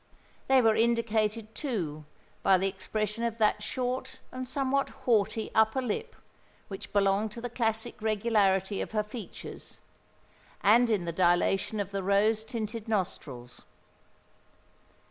They were indicated, too, by the expression of that short and somewhat haughty upper lip which belonged to the classic regularity of her features, and in the dilation of the rose tinted nostrils.